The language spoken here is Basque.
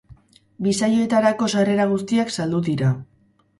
Bi saioetarako sarrera guztiak saldu dira.